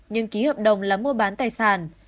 nhưng ký hợp đồng là mua bán tài sản